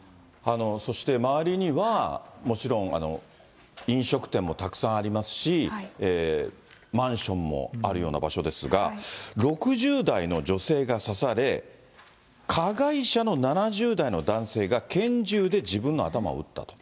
そして、周りにはもちろん、飲食店もたくさんありますし、マンションもあるような場所ですが、６０代の女性が刺され、加害者の７０代の男性が拳銃で自分の頭を撃ったと。